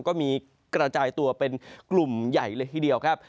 ก็มีกระจายตัวเป็นกลุ่มใหญ่เลยทีเดียวครับ